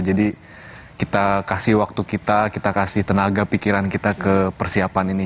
jadi kita kasih waktu kita kita kasih tenaga pikiran kita ke persiapan ini